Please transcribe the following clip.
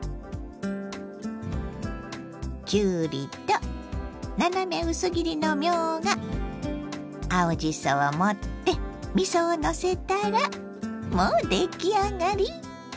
きゅうりと斜め薄切りのみょうが青じそを盛ってみそをのせたらもう出来上がり！